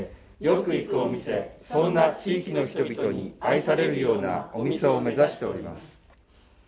よく行くお店そんな地域の人々に愛されるようなお店を目指しております。